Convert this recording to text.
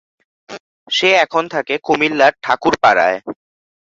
সে এখন থাকে কুমিল্লার ঠাকুরপাড়ায়।